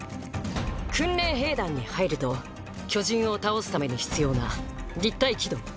「訓練兵団」に入ると巨人を倒すために必要な「立体機動」